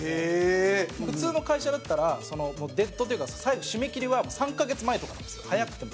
普通の会社だったらデッドというか、最後締め切りは３カ月前とかなんですよ早くても。